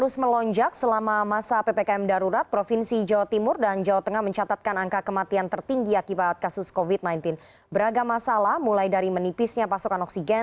selamat sore mbak rifana